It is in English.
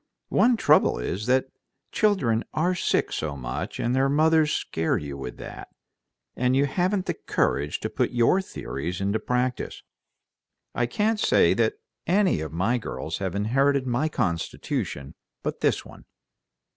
One trouble is that children are sick so much, and their mothers scare you with that, and you haven't the courage to put your theories into practice. I can't say that any of my girls have inherited my constitution but this one."